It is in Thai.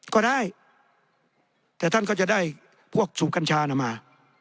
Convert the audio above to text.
ก็ได้แต่ท่านก็จะได้พวกสูบกัญชาน่ะมา